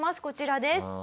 こちらです。